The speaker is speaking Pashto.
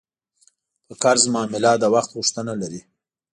په قرض معامله د وخت غوښتنه لري.